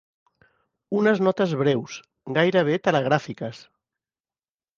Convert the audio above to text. Unes notes breus, gairebé telegràfiques.